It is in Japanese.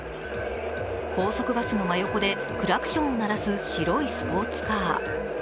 高速バスの真横でクラクションを鳴らす白いスポーツカー。